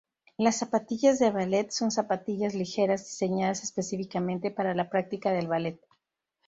Las zapatillas de "ballet", son zapatillas ligeras diseñadas específicamente para la práctica del "ballet".